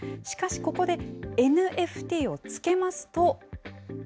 しかしここで、ＮＦＴをつけますと。